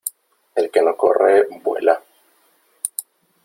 El que no corre vuela.